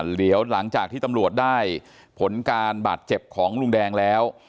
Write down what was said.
เหลียวหลังจากที่ตำรวจได้ผลการบาดเจ็บของลุงแดงแล้ว